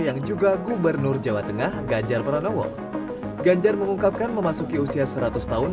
yang juga gubernur jawa tengah ganjar pranowo ganjar mengungkapkan memasuki usia seratus tahun